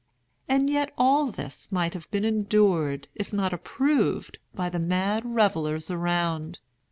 And yet all this might have been endured, if not approved, by the mad revellers around.